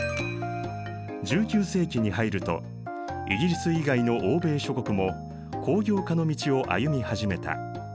１９世紀に入るとイギリス以外の欧米諸国も工業化の道を歩み始めた。